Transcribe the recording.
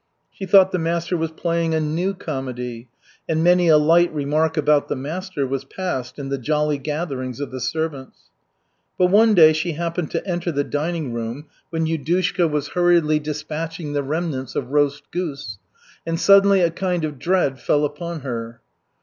She thought the master was playing "a new comedy," and many a light remark about the master was passed in the jolly gatherings of the servants. But one day she happened to enter the dining room when Yudushka was hurriedly despatching the remnants of roast goose, and suddenly a kind of dread fell upon her.